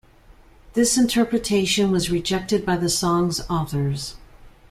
This interpretation was rejected by the song's authors.